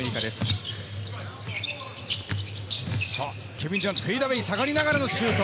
ケビンのフェイダウェイ、下がりながらのシュート。